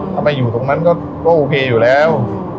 ถ้าไปอยู่ตรงนั้นก็โอเคอยู่แล้ว